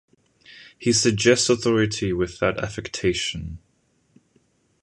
He suggests authority without affectation.